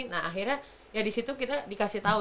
nah akhirnya ya disitu kita dikasih tau